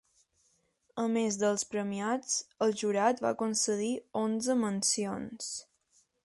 A més dels premiats, el Jurat va concedir onze mencions.